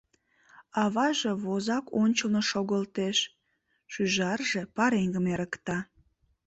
Аваже возак ончылно шогылтеш, шӱжарже пареҥгым эрыкта.